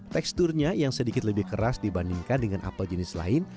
teksturnya yang sedikit lebih keras dibandingkan dengan apel jenis lain